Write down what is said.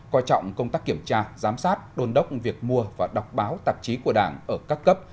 coi trọng công tác kiểm tra giám sát đồn đốc việc mua và đọc báo tạp chí của đảng ở các cấp